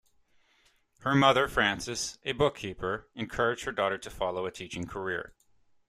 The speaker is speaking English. Her mother, Frances, a bookkeeper, encouraged her daughter to follow a teaching career.